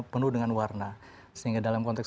penuh dengan warna sehingga dalam konteks